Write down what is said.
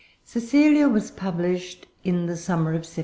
Cecilia was published in the summer of 1782.